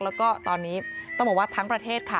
แล้วก็ตอนนี้ต้องบอกว่าทั้งประเทศค่ะ